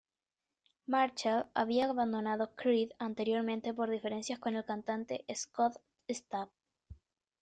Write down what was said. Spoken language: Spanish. Marshall había abandonado Creed anteriormente por diferencias con el cantante Scott Stapp.